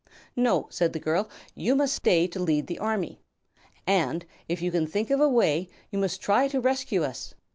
"No," said the girl; "you must stay to lead the army. And, if you can think of a way, you must try to rescue us.